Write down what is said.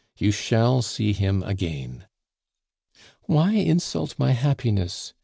You shall see him again." "Why insult my happiness?